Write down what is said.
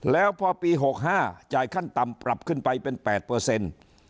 แล้วพอปี๖๕จ่ายขั้นต่ำปรับขึ้นไปเป็น๘